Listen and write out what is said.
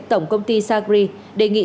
tổng công ty sagri đề nghị